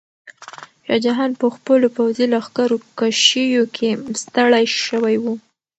شاه جهان په خپلو پوځي لښکرکشیو کې ستړی شوی و.